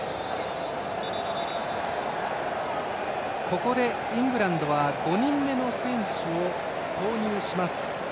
ここでイングランドは５人目の選手を投入します。